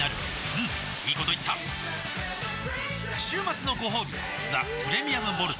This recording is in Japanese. うんいいこと言った週末のごほうび「ザ・プレミアム・モルツ」